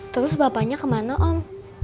terus bapaknya kemana om